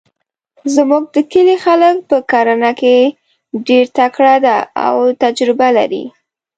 زموږ د کلي خلک په کرنه کې ډیرتکړه ده او تجربه لري